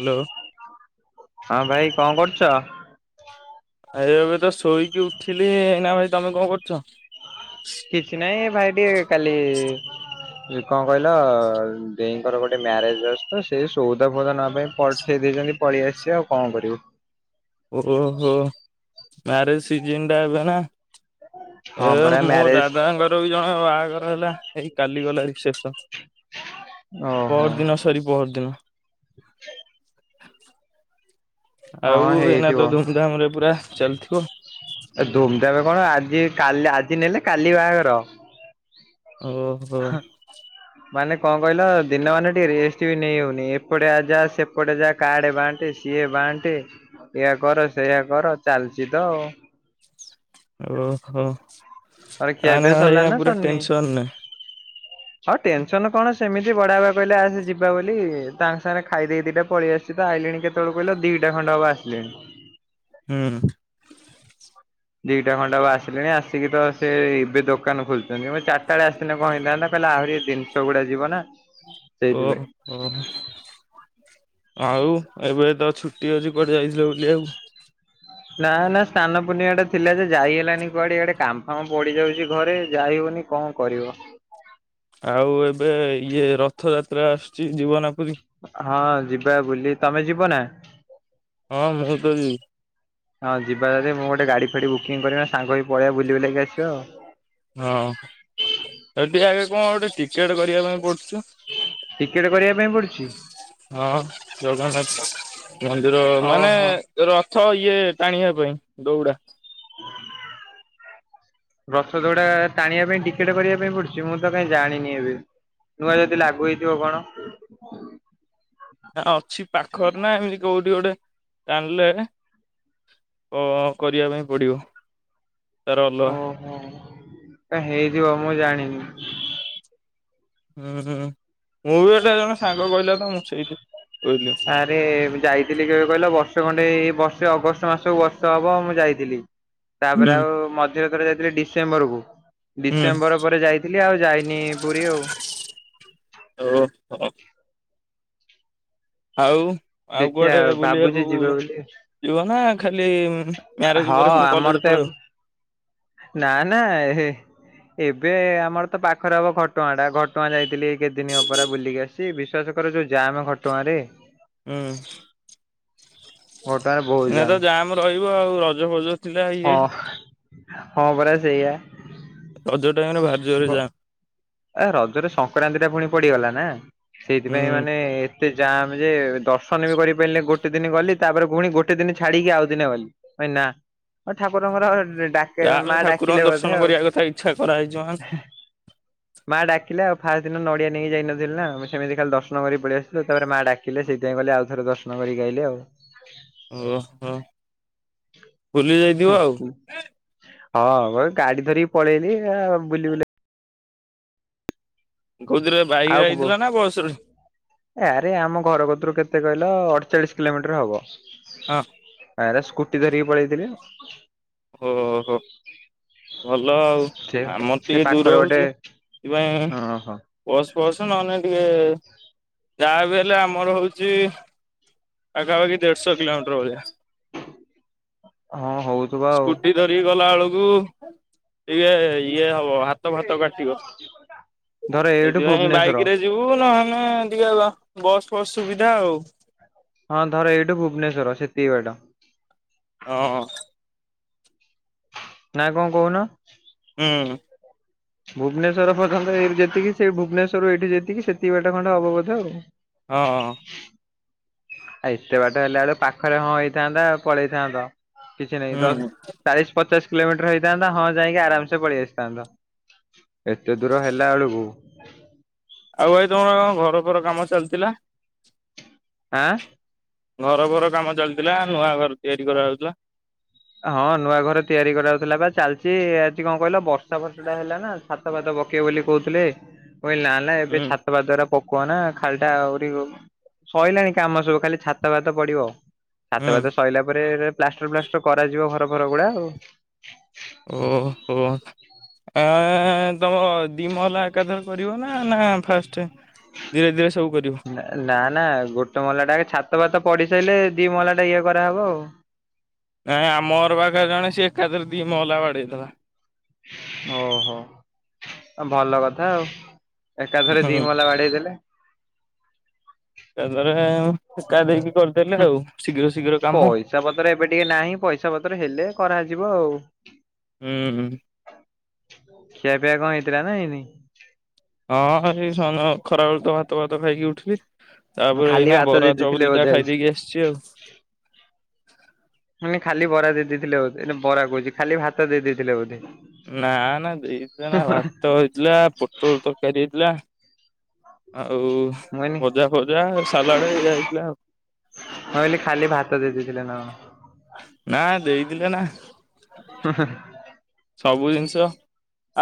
Hello. ହଁ ଭାଇ କଣ କରୁଛ? ଆ ଏବେ ତ ଶୋଇକି ଉଠିଲି ନା ଭାଇ ତମେ କଣ କରୁଚ? କିଛି ନାହିଁ ଭାଇ ଟିକେ କାଲି ସେ କଣ କହିଲ ଦେଇଙ୍କର ଗୋଟେ ମ୍ୟାରେଜ ଅଛି ତ, ସେ ସଉଦା ଫୋଉଦା ନବା ପାଇଁ ପଠେଇ ଦେଇଛନ୍ତି। ପଳେଇ ଆସିଛି ଆଉ କଣ କରିବୁ। ଓହୋ ମ୍ୟାରେଜ ସିଜନ ଟା ଏବେ ନା। ଏ ହଁ ପରା ମୋ ମ୍ୟାରେଜ ଦାଦାଙ୍କ ର ବି ଜଣକ ବାହାଘର ହେଲା ଏଇ କାଲି ଗଲା ରିସେପ୍ସନ। ଓହୋ ପହର ଦିନ ସରି ପହରଦିନ। ହଁ ଆଉ ଏଇନା ତ ଧୁମଧାମ ରେ ପୁରା ଚାଲିଥିବ। ଏ ଧୁମ ଧାମ କଣ ଆଜି କାଲି ଆଜି ନେଲେ କାଲି ବାହାଘର। ଓହୋ। ହ ଅ। [inaudible] ମାନେ କଣ କହିଲ, ଦିନ ମାନେ ଟିକେ ରେଷ୍ଟ ବି ନେଇ ହଉନି ଏପଟେ ଆ ଯା ସେପଟେ ଯା। କାଡେ ବାଣ୍ଟେ ସିଏ ବାଣ୍ଟେ ଏଇଆ କର ସେଇଆ କର ଚାଲିଛି ତ! ଓହୋ ତମର ଖିଆ ପିଆ ତାନେ ସରିଲାଣି ଏଇନା ପୁରା ଟେନସନ ରେ। ହ ଟେନସନ କଣ, ସେମିତି ବଡାବାପା କହିଲେ ଆସ ଯିବା ବୋଲି ତାଙ୍କ ସାଙ୍ଗେରେ ଖାଇଦେଇ ଦିଟା ପଳେଇଆସ ସେ ତ ଆଇଲେଣି କେତେବେଳେ କହିଲ ଦିଟା ଖଣ୍ଡ ହବ ଆସିଲେଣି। ହୁଁ। ଦିଟା ଖଣ୍ଡେ ହବ ଆସିଲେଣି ଆସିକି ତ ସେ ଏବେ ଦୋକାନ ଖୋଲୁଛନ୍ତି। ମୁଁ ଚାରିଟା ବେଳେ ଆସି ଥିନେ କଣ ହେଇଥାନ୍ତା, କହିଲା ଆହୁରି ଜିନିଷ ଗୁଡା ଯିବ ନା। ଓଃ। ସେଇଥିପାଇଁ। ଓହୋ ଆଉ ଏବେ ତ ଛୁଟି ଅଛି କୁଆଡେ ଯାଇଥିଲ ବୁଲିବାକୁ। ନା ନା ସ୍ନାନ ପୂର୍ଣ୍ଣିମା ଟା ଥିଲା ଯେ ଯାଇ ହେଲାନି କୁଆଡେ। ଇଆଡେ କାମଫାମ ପଡିଯାଉଛି ଘରେ ଯାଇହଉନି କଣ କରିବ। ଆଉ ଏବେ ଇଏ ରଥଯାତ୍ରା ଆସୁଛି ଜୀବନା ପୁରୀ। ହଁ ଯିବା ବୁଲି ତମେ ଯିବ ନା। ହଁ ମୁଁ ତ ଯିବି। ହଁ ଯିବା ଯଦି, ମୁଁ ଗୋଟେ ଗାଡି ଫାଡି ବୁକିଂ କରିବି ସାଙ୍ଗ ହେଇକି ପଳେଇବା ବୁଲି ବୁଲାକି ଆସିବ ଆଉ। ହଁ ଏ ଟିକେ ଆଗେ କଣ ଗୋଟେ ଟିକେଟ କରିବା ପାଇଁ ପଡୁଚି। ଟିକେଟ କରିବା ପାଇଁ ପଡୁଛି? ହଁ ଜଗନ୍ନାଥ ମନ୍ଦିର ମାନେ ଓହୋ। ରଥ ଇଏ ଟାଣିବା ପାଇଁ ଦଉଡ଼ା। [inaudible] ରଥ ଦଉଡା ଟାଣିବା ପାଇଁ ଟିକେଟ କରିବା ପାଇଁ ପଡୁଛି, ମୁଁ ତ କାଇହିଁ ଜାଣିନି ଏବେ? ନୂଆ ଯଦି ଲାଗୁ ହେଇଥିବ କଣ? ନା ଅଛି ପାଖରେ ନା ଏମିତି କୋଉଠି ଗୋଟେ ଜାଣିଲେ କ କରିବା ପାଇଁ ପଡ଼ିବ? ତାର ଅଲଗା। ହ କାଇଁ ହେଇଜିବ ମୁଁ ଜାଣିନି। ହୁଁ ମୁଁ ବି ଗୋଟେ ଜଣେ ସାଙ୍ଗ କହିଲା ତ ମୁଁ ସେଇଠି କହିଲି। ଏ ଯାଇଥିଲି କେବେ କହିଲ ବର୍ଷେ ଖଣ୍ଡେ ଏ ବର୍ଷେ ଅଗଷ୍ଟ ମାସକୁ ବର୍ଷ ହେବ ମୁଁ ଯାଇଥିଲି। ତାପରେ ହୁଁ ଆଉ ମଝିରେ ଥରେ ଯାଇଥିଲି ଡିସେମ୍ବରକୁୁ। ହୁଁ ଡିସେମ୍ବର ପରେ ଯାଇଥିଲି ଆଉ ଯାଇନି ପୁରୀ ଆଉ। ଓ। ଆଉ ଆଉ ଦେଖିବା କୁଆଡେ ଭାବୁଛି ବୁଲିବାକୁୁ ଯିବେ ବୋଲି ଯିବ ନା ଖାଲି ମ୍ୟାରେଜ ହଁ ପରେ ପୁଣି ଆମର କଲେଜ ତ ପଳେଇବ? ନା ନା ଏ ହେ। ଏବେ ଆମର ତ ପାଖରେ ହବ ଘଟଗାଁ ଟା ଘଟଗାଁ ଯାଇଥିଲି ଏ କେତେଦିନ ପରା ବୁଲିକି ଆସ ଚି ବିଶ୍ୱାସ କର ଯୋଉ ଜାମ ଘଟଗାଁ ରେ। ହୁଁ। ଘଟଗାଁରେ ବହୁତ ଏଇନା ତ ଜାମ ରହିବ ଆଉ ରଜ ଫଜ ଥିଲା ଇଏ ହଁ ହଁ ପରା ସେଇଆ। ରଜ ଟାଇମରେ ଭାରି ଜୋରେ ଯାମ୍। ଆ ରଜରେ ସଂକ୍ରାନ୍ତି ଟା ପୁଣି ପଡିଗଲା ନା ସେଇଥିପାଇଁ ହୁଁ ମାନେ ଏତେ ଯାମ୍ ଯେ ଦର୍ଶନ ବି କରିପାଇଲିନି ଗୋଟେ ଦିନ ଗଲି ତାପରେ ପୁଣି ଗୋଟେ ଦିନ ଛାଡିକି ଆଉ ଦିନେ ଗଲି। ମୁଁ କହିନି ନା ଠାକୁରଙ୍କର ଡା ଯାହାହେଲେ ମା ଠାକୁରଙ୍କ ଡାକିଲେ ଦର୍ଶନ ବୋଧେ ଆଉ। କରିବା କଥା ଇଚ୍ଛା କରାହେଇଛି ମାନେ ମାଆ ଡାକିଲ ଆଉ ଫାଷ୍ଟ ଦିନ ନଡିଆ ନେଇକି ଯାଇନଥିଲ ଆମ ସେମିତି ଖାଲି ଦର୍ଶନ କରି ପଳେଇ ଆସଥିଲୁ ତାପ ମା ଡାକି କିଲେ ସେଇପାଇଁ ଗଲେ ଆଉଥରେ ଦର୍ଶନ କରିକ ଆଇଲି ଆଉ। ଓହୋ ବୁଲି ଯାଇଥିବ ଆଉ। ହଁ ଗୋଟେ ଗାଡି ଧରିକି ପଳେଇଲି ବୁଲି ବୁଲି କୋଉଥିରେ ବାଇକ ଯଇଥିଲା ନା ବସରେ? ଆୟରେ ଆମ ଘର କତରୁ କେତେ କହିଲ ଅଠଚାଳିଶ କିଲୋମିଟର ହବ। ହଁ। ଆରେ ସ୍କୁଟି ଧରିକି ପଳେଇଥିଲି। ଓ ହୋ। ଭଲ ଆଉ ସେ ଆମର ସେ ଟିକେ ଦୂର ପାଖରେ ଗୋଟେ ହଉଛି ସେଥିପାଇଁ। ହଁ ହଁ ବସ ପସ ନହେଲେ ଟିକେ ଯ ବି ହେଲେ ଆମର ହଉଛି। ପାଖା ପାଖି ଦେଢ଼ଶୋ କିିଲୋମିଟର ଭଳିଆ। ହଁ ହଉଥିବ ଆଉ। ସ୍କୁଟି ଧରିକି ଗଲା ବେଳକୁ ଟିକେ ଏ ଇଏ ହବ ହାତ ଫାତ କାଟିବ। ଧର ଏଇଠୁ ସେଥିପାଇଁ ବାଇକ ଭୁବନେଶ୍ଵର ରେ ଯିବୁ ନାହେନେ ଟିକେ ବସ୍ ଫସ୍ ସୁବିଧା ଆଉ। ହଁ ଧର ଏଇଠୁ ଭୁବନେସ୍ୱର ସେତିକି ବାଟ। ହଁଁ। ନା କଣ କହୁନ? ହୁଁ ଭୁବନେଶ୍ଵର ପର୍ଯ୍ୟନ୍ତ ଯେତିକି ସେ ଭୁବନେଶ୍ୱରରୁ ଏଇଠି ଯେତିକି ସେତିକି ବାଟା ଖଣ୍ଡେ ହବ ବୋଧ ଆଉ। ହଁ, ଆଉ ଏତେ ବାଟ ହେଲା ବେଳୁ ପାଖରେ ହଁ ହେଇଥାନ୍ତା ପଳେଇଥାନ୍ତ କିଛି ନାହିଁ ତ। ହୁଁ ଚାଳିଶ ପଚାଶ କିଲୋମିଟର ହେଇଥାନ୍ତା ହଁ ଯାଇକି ଆରମ୍ ସେ ପଳେଇ ଆସିଥାନ୍ତ। ଏତେ ଦୂର ହେଲା ବେଳକୁ ଆଉ ଭାଇ ତମର ଘର ଫର କାମ ଚାଲିଥିଲା? ଆଁ ଘର ଫର କାମ ଚାଲିଥିଲା ନୂଆ ଘର ତିଆରି କରାହଉଥିଲା? ହଁ ନୂଆ ଘର ତିଆରି କରାଉଥିଲା ବା ଚାଲିଚି ହେଠି କଣ କହିଲ ବର୍ଷା ଫର୍ଷା ଟାଇମ୍ ଟା ନା। ଛାତ ଭାତ ପକେଇବେ ବୋଲି କହୁଥିଲେ କହିଲି ନା ନା ଏବେ ହୁଁ ଛାତ ହେବା ଦ୍ଵାରା ପକୋନା ଖାଲଟା ଆହୁରି ସରିଲାଣି କାମ ସବୁ ଖାଲି ଛାତ ଫାତ ପଡିବ। ହୁଁ ହାତ ଭାତ ସଇଲା ପରେ। ପ୍ଲାଷ୍ଟର୍ ପ୍ଲାଷ୍ଟର୍ କରାଯିବ ଘର ଫର ଗୁଡା ଆଉ। ଓ ହୋ ଆଁ ତ ହଁ ଦି ମହଲା ଏକାଥରେ କରିବ ନା ନା ଫାଷ୍ଟ୍ ଧୀରେ ଧୀରେ ସବୁ କରିବ? ନା ନା ଗୋଟେ ମହଲା ଟା ଆଗେ ଛାତ ଫାତ ପଡିି ସାଇଲେ। ଦି ମହଲା ଟା ଇଏ କରାହେବ ଆଉ। ନାଇଁ ଆମର ପାଖରେ ଜଣେ ସେ ଏକାଥରେ ଦି ମହଲା ବାଡେଇଥିଲା। ଓହୋ ଭଲ କଥା ଆଉ। ଏକା ଥରେ ଦିମହଲା ବାଡେଇ ଦେଲେ। ତାଙ୍କର ଠେକା, ଦେଇକି କରିଦେଲେ ଆଉ। ଶୀଘ୍ର ଶୀଘ୍ର କାମ ଚା ପତର ଏବେ ଟିକେ ନାହିଁ। ପଇସା ପତ୍ର ହେଲେ କରାଯିବ ଆଉ। ହୁଁଁ ହୁଁ। ଖିଆ ପିଆ କଣ, ହେଇଥିଲା ନା ହେଇନି? ହଁ ଏଇ [unintelligible] ଖରାବେଳେ ତ ଭାତ ଫାତ ଖାଇକି ଉଠିଲି। ତାପରେ ଖାଲି ଏଇନା ଭାତ ଦେଇ ବରା ଚପ୍ ଦେଇଥିଲେ ବୋଧେ ଦିଟା ଆଜି। ଖାଇଦେଇକି ଆସିଛି ଆଉ। ମ ଖାଲି ବରା ଦେଇଥିଲେ ବୋଧେ, ବରା କହୁଛି ଖାଲି ଭାତ ଦେଇ ଦେଇଥିଲେ ବୋଧେ? ନାଁ ନାଁ [unintelligible] ଭାତ ହେଇଥିଲା, ପୋଟଳ ତରକାରୀ ହେଇଥିଲା ଆଉ-ଉ-ଉ-ଉ ମୁଁ କହିଲି ଭଜା ଫଜା ସାଲାଡ ଇଆ ହେଇଥିଲା ଆଉ। କହିଲି ଖାଲି ଭାତ ଦେଇ ଦେଇଥିଲେ ନା କଣ। ନା, ଦେଇଥିଲେ ନା। ସବୁ ଜିନିଷ।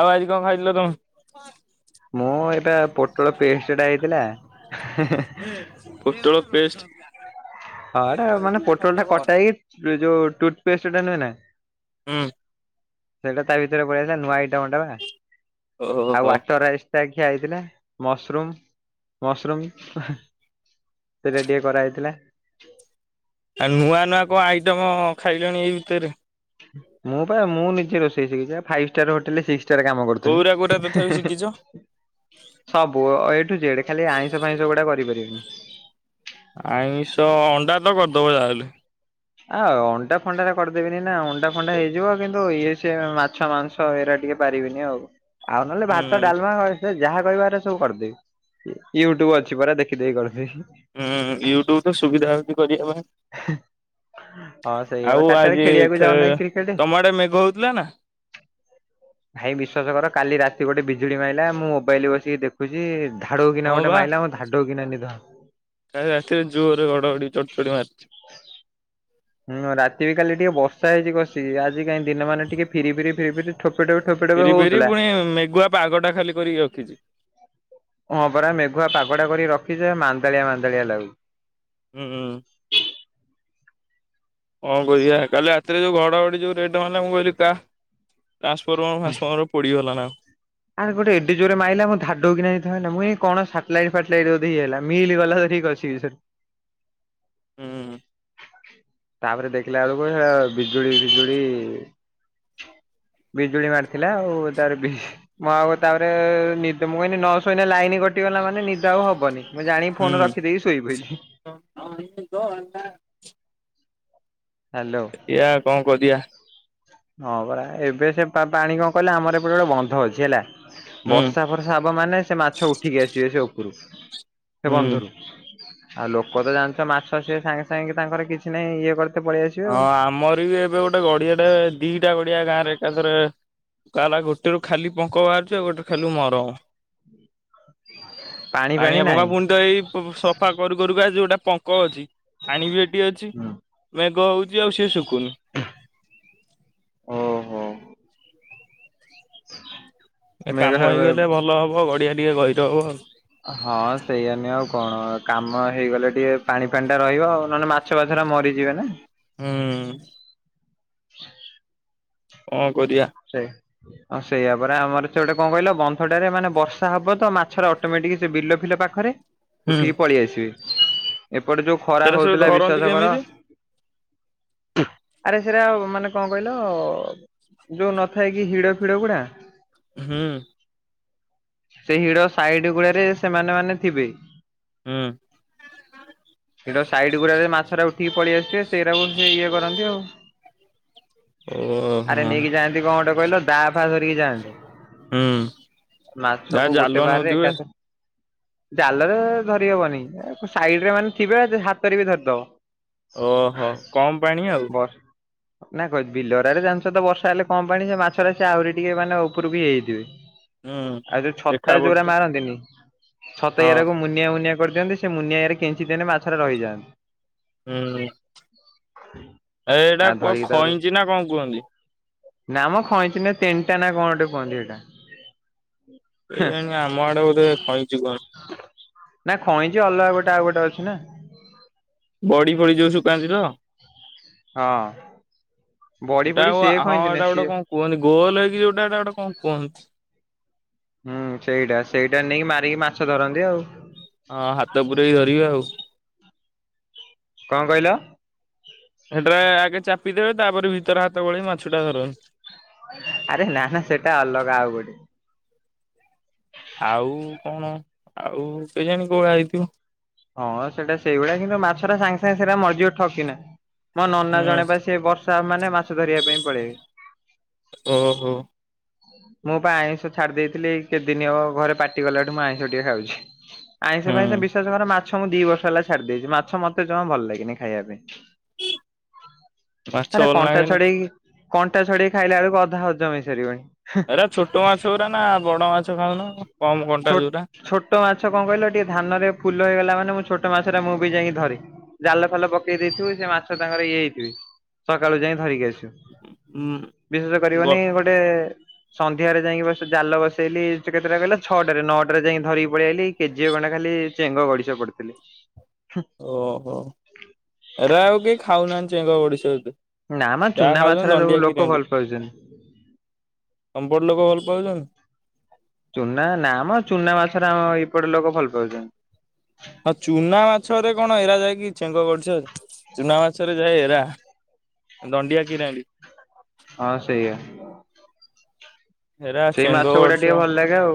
ଆଉ ଆଜି କଣ ଖାଇଥିଲ ତମେ? ମୁଁ ଏଇଟା ପୋଟଳ ପେଷ୍ଟଟା ହେଇଥିଲା ହେଁ ହେଁ। ପୋଟଳ ପେଷ୍ଟ୍ ହଁ ଏଟା ମାନେ ପୋଟଲ ଟା କଟାଇକି ହି। ଯୋଉ ଟୁଥ୍ ପେଷ୍ଟ୍ ଟା ନୁହେଁ ନା। ହୁଁ। ସେଟା ତା ଭିତରେ ପଳେଇଥିଲା। ନୂଆ ଆଇଟମ୍ ଟା ଆଉ ଓହୋ ୱାଟରଆଇ ସେ, ଖିଆ ହେଇଥିଲା ମସରୁମ୍ ମସରୁମ୍ ରେଡି କରା ହେଇଥିଲା। ଆଉ ନୂଆ, ନୂଆ, କଣ ଆଇଟମ୍ ଖାଇଲଣି ଏଇ ଭିତରେ? ମୁଁ, ପା ମୁଁ ନିଜେ ରୋଷେଇ ଶିଖିଛି ପା ଫାଇପ୍ ଷ୍ଟାର୍ ହୋଟେଲ୍ ସି ଚା ରେ କାମ କରୁଥିନି। କୋଉରା କୋଉରା ତଥାପି ଶିଖିଛ ସବୁ ଅ ଏଠୁ ଜେଡ଼ ଖାଲି ଆଇଁଷ ଫାଇଁଷ ଗୁଡ଼ା କରିପାରିବିନି। ଆଇଁଷ ଅଣ୍ଡା ତ କରିଦବ ଯାହାହେଲେ। ଆଉ ଅଣ୍ଡା ଫଣ୍ଡାରେ କରିଦେବିନି ନା, ଅଣ୍ଡା ଫଣ୍ଡା ହେଇଯିବ। କିନ୍ତୁ ଇଏ ସେ ମା ମାଛ ମାଂସ ହେଇରା ଟିକେ ପାରିବିନି ଆଉ, ଆଉ ନହେଲେ ଭାତ ହୁଁ ଡାଲମା ସେ ଯାହା କହିବା ହେରା ସବୁ କରିଦେବି, ୟୁଟ୍ୟୁବ ଅଛି ପରା ଦେଖିଦେଖି କରିଦେବି। ହୁଁ ୟୁଟ୍ୟୁବ ତ ସୁବିଧା ହଉଛି କରିବା ହଁ ପାଇଁ। ସେଇଆ ବା ଆଉ ଚାରିଟାବେଳେ ଆଜି ଖେଳିବାକୁ ଯାଉନ କି କ୍ରିକେଟ? ତମ ଆଡେ ମେଘ ହଉଥିଲା ନା? ଭାଇ ବିଶ୍ୱାସ କର କାଲି ରାତି ଗୋଟେ ବିଜୁଳି ମାଇଲା, ମୁଁ ମୋବାଇଲ୍ ବସିକି ଦେଖୁ [unintelligible] ଧାଡୁ କିନା ହଁ ଗୋଟେ ବା ମାଇଲା, ମୋର ଧାଡୁ କିନା ନିଦଭା କାଲି ରାତିରେ ଜୋରୋ ଘଡ଼ଘଡ଼ି ଚଡ଼ଚଡ଼ି ମାରିଛି। ହୁଁ ରାତିରେ କାଲି ଟିକେ ବର୍ଷା ହେଇଛି କଷିକି, ଆଜି କାଇଁ ଦିନ ମାନେ ଟିକେ ଫିରି ଫିରି ଫିରି ଫିରି ଠୋପେ, ଠୋପେ ଠୋପେ ପିରି ପିରି ହଉଥିଲା ପୁଣି ମେଘୁଆ ପାଗଟା ଖାଲି କରିକି ରଖିଛି। ହଁ ପରା ମେଘୁଆ ପାଗଟା କରିକି ରଖିଛି ଯେ ମାନ୍ଦାଳିଆ ମାନ୍ଦଳିଆ ଲାଗୁ ହୁଁ। କଣ କରିଆ କାଲି ରାତିରେ ଯୋଉ ଘଡଘଡି ଯୋଉ ରେଟରେ ମାରିଲା, ମୁଁ କହିଲି କା [unintelligible] ପୋଡ଼ିଗଲା ନା ଆର୍ ଗୋଟେ ଏଡେ ଜୋରେ ମାଇଲା ମୁଁ ଧାଡଉ କି ନା ନିଦ ଭାଙ୍ଗିଲା ମୁଁ ଭାବିଲି କଣ ସାଟଲାଇଟ୍ ଫାଟଲାଇଟ୍ ବୋଧେ ଇଏ ହେଲା ମିିଲ୍ ଗଲା ଠିକ୍ ଅଛି। [unintelligible] ହୁଁ। ତାପରେ ଦେଖିଲା ବେଳକୁ ସେ ବିଜୁଳି ଫିଜୁଳି ବିଜୁଳି ମାରିଥିଲା ଆଉ ତାର ବି ମୁଁ ଆଉ ତାପରେ-ଏ-ଏ-ଏ ନିଦ ମୁଁ ଏଇନେ ନ ଶୋଇନେ ଲାଇନ କଟିଗଲା ମାନେ ନିଦ ଦ ଆଉ ହବନି, ମୁଁ ଜାଣି ଫୋନ ରଖିଦେଇକି ଶୋଇ ପଇଲି। [inaudible] ହାଲୋ। ଏୟା କଣ କରିଆ? ହଁ ପରା ଏବେ ସେ ପା ପାଣି କଣ କହିଲ, ଆମର ଏପଟେ ଗୋଟେ ବନ୍ଧ ଅଛି ହେଲା, ହୁଁ ବର୍ଷା ଫ ର୍ଷା ହବ ମାନେ ସେ ମାଛ ଉଠିକି ଆସିବେ ସେ ଉପରୁ ସେ ହୁଁ ବନ୍ଧରୁ। ଆଉ ଲୋକ ତ ଜାଣିଛ ମାଛ ସିଏ ସାଙ୍ଗେ ସାଙ୍ଗେ ତାଙ୍କର କିଛି ନାହିଁ ଇଏ କରି ହଁ ଆମର ବି ଏବେ ଗୋଟେ ଗଡ଼ିଆଟେ ଦିଇଟା ଗଡ଼ିଆ ଗାଁରେ ଏକାଥରେ ଶାଲା ଗୋଟେରୁ ଖାଲି ପଙ୍କ ବାହାରୁଛି ଆଉ ଗୋଟେ ଖାଲି ମରମ। ପାଣି ଫାଣି ନାହିଁ [inaudible] ପୁଣି ତ ଏଇ ସଫା କରୁ କରୁ କା ଆଜି ଗୋଟେ ପଙ୍କ ଅଛି, ପାଣି ବି ଏଠି ଅଛି। ମେଘ ହେଉଛି ଆଉ ସିଏ ଶୁଖୁନି। ଓହୋ। ସେଁ [unintelligible] ଏ କାମ ହେଇଗଲେ ଭଲ ହବ, ଗଡିଆ ଟିକେ ଗହିର ହବ ଆଉ। ହଁ ସେଇଆ ନୁହେଁ ଆଉ କଣ କାମ ହେଇଗଲେ ଟିକେ ପାଣି ଫାଣି ଟା ରହିବ ଆଉ ନହେଲେ ମା ଛୁଆଧରା ମରିଯିବେ ନା। ହୁଁ। ହୁଁ। [inaudible] କଣ କରିଆ? ସେ ହଁ ସେଇଆ ପରା ଆମର ସେ ଗୋଟେ କଣ କହିଲ, ବନ୍ଧଟାରେ ମାନେ ବର୍ଷା ହବ ତ ମାଛର ଅଟୋମେଟିକ ସେ ବିଲ ଫିଲ ପାଖ ପାଖରେ ହୁଁ ଉଠିକି ପଳେଇ ଆସିବେ। ଏପଟେ ଯୋଉ ଖରା ସେରା ସବୁ ହଉଥିଲା ଧରନ୍ତି ବିଶ୍ଵାସ କର କେମିତି? ଆରେ ସେଟା ମାନେ କଣ କହିଲ-ଅ-ଅ-ଅ-ଅ? ଯୋଉ ନଥାଏ କି ହିଡ ଫିଡ ଗୁଡା ହୁଁ। ସେ ହିଡ ସାଇଡ ଗୁଡାରେ ସେମାନେ ମାନେ ଥିବେ। ହୁଁ ହିଡ଼ ସାଇଡ ଗୁଡାରେ ମାଛରେ ଉ ଠିକି ପଳେଇଆସିବେ ସେଇଟାକୁ ସେ ଇଏ କରନ୍ତି ଆଉ। ଆରେ ଓହୋ ନେଇକି ଯାଆନ୍ତି କଣ ଗୋଟେ କହିଲ ଦାଆ ଫା ଧରିକି ଯାଆନ୍ତି। ହୁଁ ଯାହା ମାଛକୁ ଜାଲ ନଉଥିବେ। ଜାଲରେ-ଏ-ଏ-ଏ ଧରି ହବନି, ସାଇଡରେ ମାନେ ଥିବେ ହାତରେ ବି ଧରିଦବ। ଓହୋ କମ୍ ପାଣି ଆଉ। ବସ୍ ନା କ ବିଲଗୁରା ରେ ଜାଣିଛ ତ ବର୍ଷା ହେଲେ କଣ ପାଣି ଯେ ମାଛରେ ସେ ଆହୁରି ଟିକେ ମାନେ ଉପରକୁ ହେଇଯାଇଥିବେ। ହୁଁ। ଆଉ ଯୋଉ ଛତା ଦେଖା ଯୋଉରା ପଡୁଚି ମାରନ୍ତିନି ଛତା ହଁ ଏଇଡାକୁ ମୁନିଆ ମୁନିଆ କରିଦିଅନ୍ତି, ସେ ମୁନିଆଇରେ କେଞ୍ଚିଦେଲେ ମାଛରେ ରହିଯାଆନ୍ତି। ହୁଁ ଏ ଆ ଏଇଟାକୁ ଧରିକି ତାପରେ ଖଇଛି ନା କଣ କୁହନ୍ତି? ନା ମୁଁ ଖଇଛି ନା ତିନଟା ନା କଣ ଗୋଟେ କୁହନ୍ତି ଏଇଟା। ଏଇ ଜାଣି ଆମ ଆଡେ ବୋଧେ ଖଇଞ୍ଚି କହନ୍ତି। ନା ଖଇଁଞ୍ଚି ଅଲଗା ଗୋଟେ ଆଉ ଗୋଟେ ଅଛି ନା। ବଡି ଫଡି ଯୋଉ ସୁକାନ୍ତି ତ ହଁ ବଢି ସେଟା ବଢି ଆଉ ସିଏ ହଁ ଖଇଞ୍ଚି ଏଟା ନୁହେଁ ଗୋଟେ ସିଏ କଣ କୁହନ୍ତି ଗୋଲ ହେଇକି ଯୋଉଟା ଏଟା ଗୋଟେ କଣ କୁହନ୍ତି? ହୁଁ ସେଇଟା ସେଇଟା ନେଇକି ମାରିକି ମାଛ ଧରନ୍ତି ଆଉ ହଁ ହାତ ପୁରେଇ ଧରିବା ଆଉ କଣ କହିଲ? ସେଟା ଆଗେ ଚାପିଦେବେ, ତାପରେ ଭିତରେ ହାତ ଗୋଳେଇ ମାଛଟା ଧରନ୍ତି। ଆରେ ନା ନା ସେଟା ଅଲଗା ଆଉ ଗୋଟେ ଆଉ କଣ ଆଉ କେଜାଣି କୋଉଆ ହେଇଥିବ। ହଁ ସେଇଟା ସେଇଗୁଳିଆ କିନ୍ତୁ ମାଛଟା ସାଙ୍ଗେ ସାଙ୍ଗେ ସେଇଟା ମରିଯିବ ଠକ କିନା। ମୋ ନନା ହୁଁ ଜଣେ ପା ସେ ବର୍ଷା ମାନେ ମାଛ ଧରିବା ପାଇଁ ପଳେଇବେ। ଓହୋ। ମୁଁ ପା ଆଇଁଷ ଛାଡି ଦେଇଥିଲି କେତଦିନି ଘରେ ପାଟି କଲାଠୁ ମୁଁ ଆଇଁଷ ଟିକେ ଖାଉଛି। ଆଇଁ ସେ ଫାଇଁ ହୁଁ ସେ ବିଶେସ କର ମା ମାଛ ମୁଁ ଦି ବର୍ଷ ହେଲା ଛାଡି ଦେଇଛି ମାଛ ମତେ ଜମା ଭଲ ଲାଗେନି ଖାଇବା ପାଇଁ। ମାଛ ଆରେ ଭଲ କଣ୍ଟା ଲାଗେନି ଛଡେଇକି କଣ୍ଟା ଛଡେଇ ଖାଇଲା ବେଳକୁ ଅଧା ହଜମ ହେଇ ସାରିବଣି। ଏ ଛୋଟ ମାଛ ଗଡ଼ା ନା ବଡ଼ ମାଛ ଖାଉନ କମ କଣ୍ଟା ଛୋ ଯଉରା। ଛୋଟ ମାଛ କଣ କହିଲ ଟିକେ ଧାନରେ ଫୁଲ ହେଇଗଲା ମାନେ ମୁଁ ଛୋଟ ମାଛଟା ମୁଁ ବି ଯାଇକି ଧରି ଜାଲ ଫାଲ ପକେଇ ଦେଇଥିବୁ ସେ ମାଛ ତାଙ୍କର ଇଏ ହେଇଥିବି ସକାଳୁ ଯାଇ ଧରିକି ଆସିବୁ। ଉଁ ବିଶେଷ ଗ କରିବନି ଗୋଟେ ସନ୍ଧ୍ୟାରେ ଯାଇକି ବ ଜାଲ ବସେଇଲି। କେତେଟା ଗଲା ଛଅଟାରେ ନଅଟାରେ ଯାଇ ଧରିକି ପଳେଇ ଆଲି କେଜିଏ ଖଣ୍ଡା ଖାଲି ଚେଙ୍ଗ ଗଡିଶ ପଡୁଥିଲେ। ଓହୋ ଏରା ଆଉ କେହି ଖାଉନାହାନ୍ତି ଚେଙ୍ଗ ଗଡ଼ିଶ ଏତେ। ନା ମ ଯାହା ଚୁନା ଖାଉଛନ୍ତି ମାଛର ର ଦଣ୍ଡିଆ ଲୋକ କିରାଣ୍ଡି ଭଲ ପାଉଛନ୍ତି। ତମ ପଟ ଲୋକ ଭଲ ପାଉଛନ୍ତି। ଚୁନା ନା ଆମ ଚୁନା ମାଛରେ ଆମ ଏଇପଟେ ଲୋକ ଭଲ ପାଉଛନ୍ତି। ହଁ ଚୁନା ମାଛରେ କଣ ଏରା ଯାଇକି ଚେଙ୍କ ଗଡ଼ିଶ ଚୁନା ମାଛରେ ଯାଏ ଏରା ଦଣ୍ଡଡି କିରଣ୍ଡୀ। ହଁ ସେଇଆ। ହେରା ସେଇ ମାଛ ଚେଙ୍ଗ ଗୁଡା ଟିକେ ଗଡ଼ିଶ। ଭଲ ଲାଗେ ଆଉ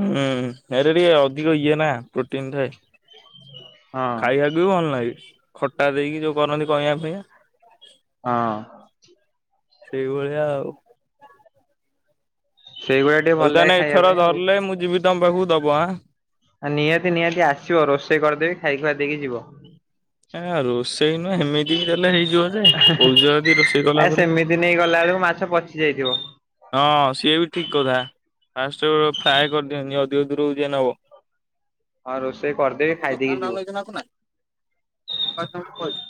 ହୁଁ ହେରେ ଟିକେ ଅଧିକ ଇଏ ନା ପ୍ରୋଟିନ ଥାଏ। ହଁ ଖାଇବାକୁ ବି ଭଲ ଲାଗେ ଖଟା ଦେଇକି ଯୋଉ କରନ୍ତି କହିବା ପାଇଁ। ହଁ। ସେଇ ଭଳିଆ ଆଉ। ସେଇଗୁଡା ଟିକେ ହଉ ଭଲ ଲାଗେ ତାହେ ଖାଇବା ଏଥର ପାଇଁ ଆଉ। ଧରିଲଲେ ମୁଁ ଯିବି ତମ ପାଖକୁ ଦବଁ। ନିହାତି ନିହାତି ଆସିବ ରୋଷେଇ କରିଦେବି ଖାଇ ଖୁଆ ଦେଇକି ଯିବ। ନା ରୋଷେଇ ନୁହଁ ସେମିତି ବି ତାହେଲେ ହେଇଯିବ ଯେ କଉ ଯ ଯଦି ରୋଷେଇ କଲା ପରେ ଦିନେଇ ଗଲାବେଳେକୁ ମାଛ ପଚିଯାଇଥିବ। ହଁ ସିଏ ବି ଠିକ କଥା। ଫାଷ୍ଟ ଫ୍ରଏ କରିଦିଅନ୍ତି ଅଧିକ ଧୂରୁକୁ ଯିଏ ନବ। ହଁ ରୋଷେଇ କରିଦେବି ଖାଇଦେଇକି ଯିବ। [unintelligible] [unintelligible] କହିବୁ।